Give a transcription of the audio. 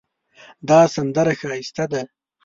دا سندره ښایسته ده